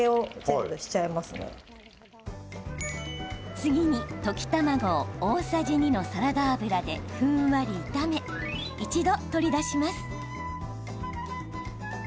次に、溶き卵を大さじ２のサラダ油でふんわり炒め、一度取り出します。